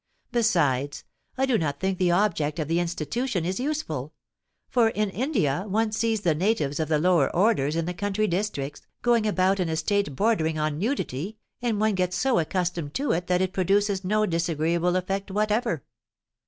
Besides, I do not think the object of the institution is useful; for in India one sees the natives of the lower orders in the country districts, going about in a state bordering on nudity, and one gets so accustomed to it that it produces no disagreeable effect whatever.